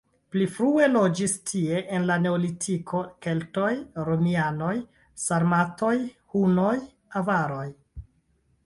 Pli frue loĝis tie en la neolitiko, keltoj, romianoj, sarmatoj, hunoj, avaroj.